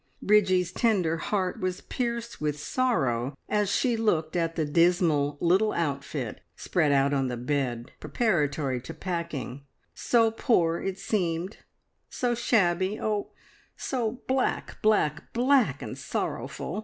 Bridgie's tender heart was pierced with sorrow as she looked at the dismal little outfit spread out on the bed preparatory to packing so poor it seemed, so shabby, oh, so black, black, black and sorrowful!